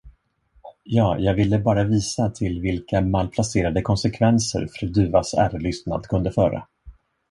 Ja, jag ville bara visa till vilka malplacerade konsekvenser fru Dufvas ärelystnad kunde föra.